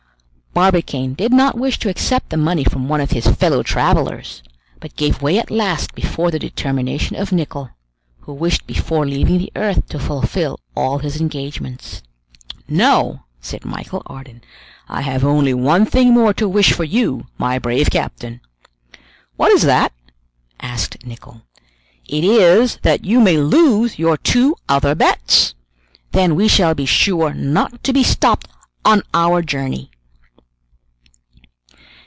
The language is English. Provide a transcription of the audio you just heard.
Barbicane did not wish to accept the money from one of his fellow travelers, but gave way at last before the determination of Nicholl, who wished before leaving the earth to fulfill all his engagements. "Now," said Michel Ardan, "I have only one thing more to wish for you, my brave captain." "What is that?" asked Nicholl. "It is that you may lose your two other bets! Then we shall be sure not to be stopped on our journey!"